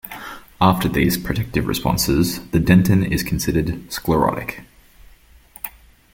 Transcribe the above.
After these protective responses, the dentin is considered sclerotic.